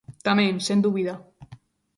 Tamén, sen dúbida.